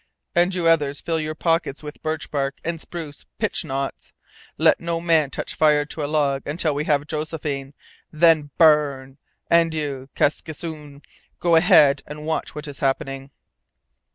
And you others fill your pockets with birch bark and spruce pitch knots. Let no man touch fire to a log until we have Josephine. Then, burn! And you, Kaskisoon, go ahead and watch what is happening!"